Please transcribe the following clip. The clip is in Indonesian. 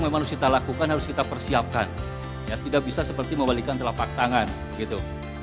memang harus kita lakukan harus kita persiapkan ya tidak bisa seperti membalikan telapak tangan gitu